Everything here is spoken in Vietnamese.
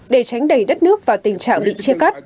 để tránh đẩy đất nước vào tình trạng bị chia cắt